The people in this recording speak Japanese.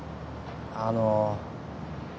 あの。